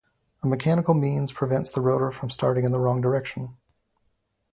A mechanical means prevents the rotor from starting in the wrong direction.